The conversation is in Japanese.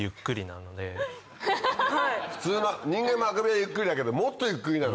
普通の人間のあくびはゆっくりだけどもっとゆっくりなの？